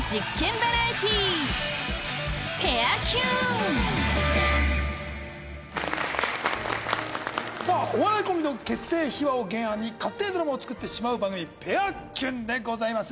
バラエティーさあお笑いコンビの結成秘話を原案に勝手にドラマを作ってしまう番組『ペアキュン』でございます。